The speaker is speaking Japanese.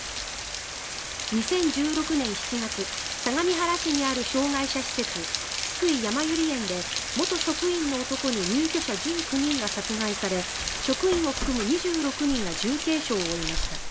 ２０１６年７月相模原市にある障害者施設津久井やまゆり園で元職員の男に入居者１９人が殺害され職員を含む２６人が重軽傷を負いました。